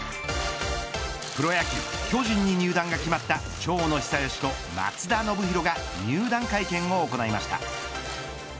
プロ野球巨人に入団が決まった長野久義と松田宣浩が入団会見を行いました。